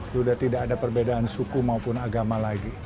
sudah tidak ada perbedaan suku maupun agama lagi